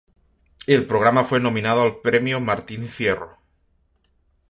El programa fue nominado al premio "Martín Fierro".